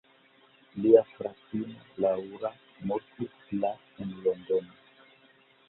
Lia fratino, Laura, mortis la en Londono.